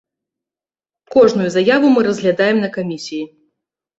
Кожную заяву мы разглядаем на камісіі.